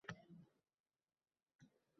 Men erimni yosh bolalardek koʻtardim